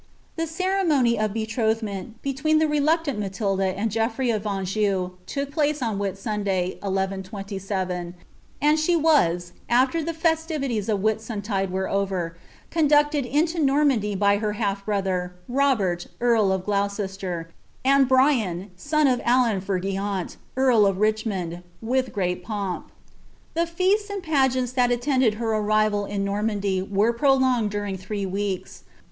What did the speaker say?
The ceremony of beiroihment between the reluctant Maldda and Qeof hey of Anjou took place on Whitsunday. 1 127, and she was, after ih* festirtlies of Whitsuiilide were over, conducted into Normandy by btf half brother, Itobert earl of Gloucester, and Brian, sun of Alau Fergnn), etri of Kichinond, with great pomp. The feasts and pageants that niiended her arrival in Norttmndy wm prolonged during three weeks.